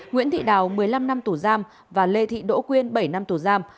nguyễn thị đào một mươi năm năm tù giam và lê thị đỗ quyên bảy năm tù giam